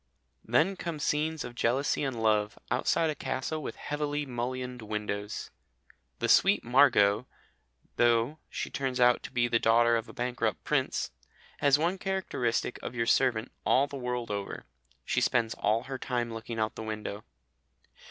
Then come scenes of jealousy and love, outside a castle with heavily mullioned windows. The sweet Margot, though she turns out to be the daughter of a bankrupt prince, has one characteristic of your servant all the world over she spends all her time looking out of the window.